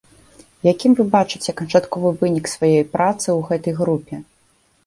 Якім вы бачыце канчатковы вынік сваёй працы ў гэтай групе?